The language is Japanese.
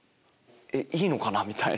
いいのかな？みたいな。